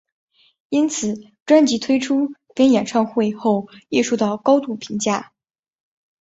因此专辑推出跟演唱会后亦受到高度评价。